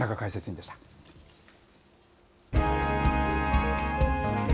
田中解説委員でした。